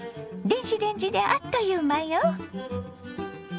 電子レンジであっという間よ。